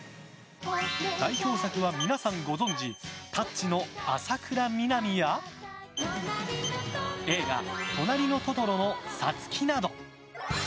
代表作は皆さんご存じ「タッチ」の浅倉南や映画「となりのトトロ」のサツキなど。